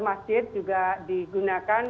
masjid juga digunakan